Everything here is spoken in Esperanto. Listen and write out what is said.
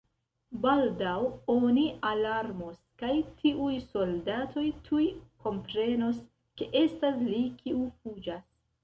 Baldaŭ oni alarmos kaj tiuj soldatoj tuj komprenos, ke estas li, kiu fuĝas.